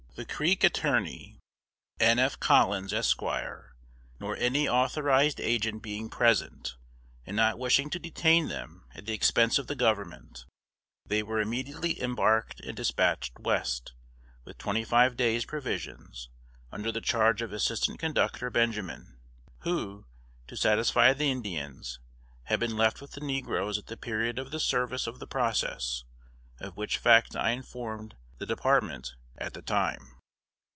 The Creek attorney (N. F. Collins, Esq.) nor any authorized agent being present, and not wishing to detain them at the expense of the Government, they were immediately embarked and dispatched West, with twenty five days' provisions, under the charge of Assistant Conductor Benjamin, who, to satisfy the Indians, had been left with the negroes at the period of the service of the process; of which fact I informed the Department at the time."